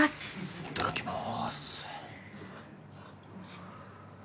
いただきます。